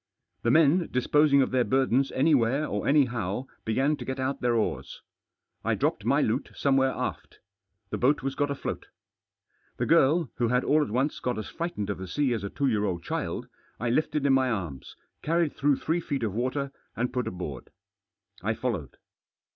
The men, disposing of their burdens anywhere or anyhow, began to get out their oars. I dropped my loot some^ where aft The boat was got afloat The girl — who had all at once got as frightened of the sea as a two year old child — I lifted in my arms, carried through three feet of water, and put aboard. I followed.